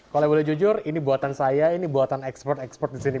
kalau boleh jujur ini buatan saya ini buatan ekspert expert di sini